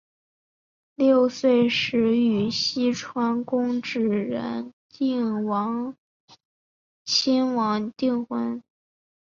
六岁时与有栖川宫炽仁亲王订婚。